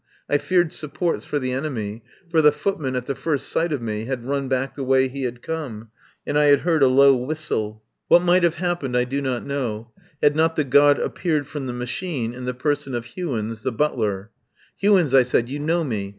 I feared sup ports for the enemy, for the footman at the first sight of me had run back the way he had come, and I had heard a low whistle. What might have happened I do not know, had not the god appeared from the machine in the person of Hewins, the butler. "Hewins," I said, "you know me.